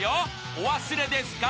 ［お忘れですか？］